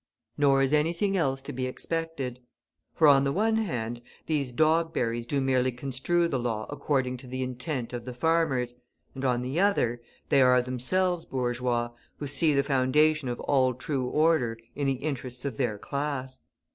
Nor is anything else to be expected. For on the one hand, these Dogberries do merely construe the law according to the intent of the farmers, and, on the other, they are themselves bourgeois, who see the foundation of all true order in the interests of their class.